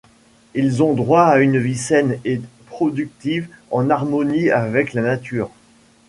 Ils ont droit à une vie saine et productive en harmonie avec la nature.